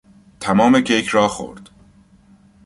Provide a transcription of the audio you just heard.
تمام کیک را خورد.